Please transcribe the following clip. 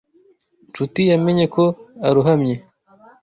Nshuti yamenye ko arohamye.